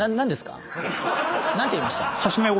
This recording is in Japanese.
何て言いました？